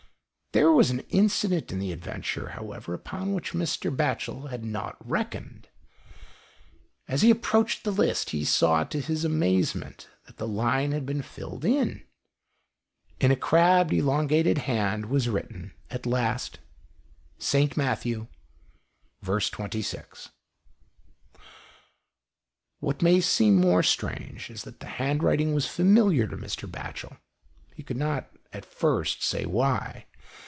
There was an incident in the adventure, however, upon which Mr. Batchel had not reckoned. As he approached the list, he saw, to his amazement, that the line had been filled in. In a crabbed, elongated hand was written, " At last, St. Matt. v. 26." What may seem more strange is that the handwriting was familiar to Mr. Batchel, he could not at first say why.